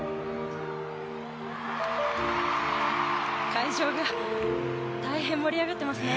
会場が大変盛り上がっていますね。